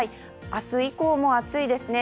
明日以降も暑いですね。